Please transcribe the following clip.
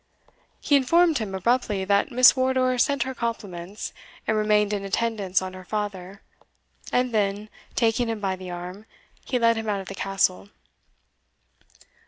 He informed him abruptly that Miss Wardour sent her compliments, and remained in attendance on her father, and then, taking him by the arm, he led him out of the castle.